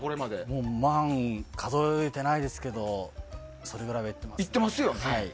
もう万数えてないですけどそれぐらいはいっていますね。